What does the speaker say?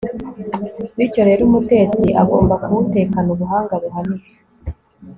bityo rero umutetsi agomba kuwutekana ubuhanga buhanitse